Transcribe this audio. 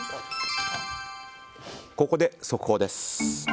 ここで速報です。